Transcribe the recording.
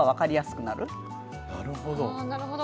あなるほど。